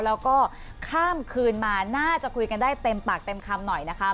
แล้วก็ข้ามคืนมาน่าจะคุยกันได้เต็มปากเต็มคำหน่อยนะคะ